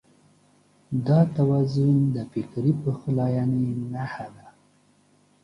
دا توازن د فکري پخلاينې نښه ده.